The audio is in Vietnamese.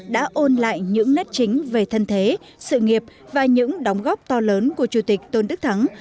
đã ôn lại những nét chính về thân thế sự nghiệp và những đóng góp to lớn của chủ tịch tôn đức thắng